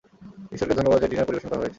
ঈশ্বরকে ধন্যবাদ যে ডিনার পরিবেশন করা হয়েছে!